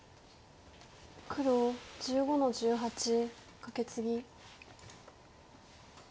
黒１５の十八カケツギ。